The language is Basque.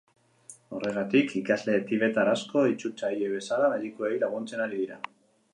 Horregatik, ikasle tibetar asko itzultzaile bezala medikuei laguntzen ari dira.